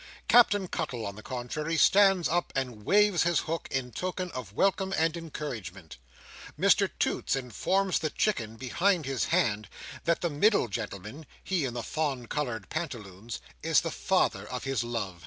Captain Cuttle, on the contrary, stands up and waves his hook, in token of welcome and encouragement. Mr Toots informs the Chicken, behind his hand, that the middle gentleman, he in the fawn coloured pantaloons, is the father of his love.